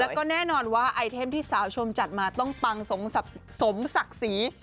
แล้วก็แน่นอนว่าไอเทมที่สาวชมจัดมาต้องปังสมศักดิ์ศรี